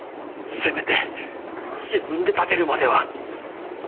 せめて自分で立てるまでは。